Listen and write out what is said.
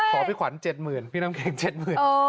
ขอพี่ขวัญเจ็ดหมื่นพี่น้ำแข็งเจ็ดหมื่น